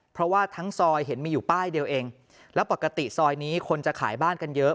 เพราะว่าทั้งซอยเห็นมีอยู่ป้ายเดียวเองแล้วปกติซอยนี้คนจะขายบ้านกันเยอะ